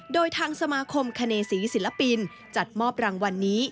โดยทางสมาคมคเนศรีศิลปินจัดมอบรางวัลนี้